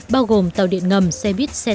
bao gồm tàu điện ngầm xe buýt xe taxi